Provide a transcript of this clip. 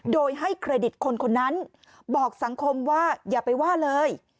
โดยให้เครดิตคนคนนั้นบอกสังคมว่าอย่าไปว่าเลย